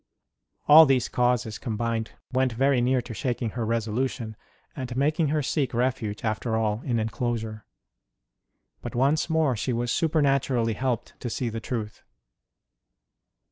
All these causes combined went very near to shaking her resolution, and making her seek refuge after all in enclosure ; but once more she was supernaturally helped to see the truth.